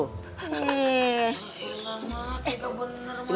gila mak tidak benar mak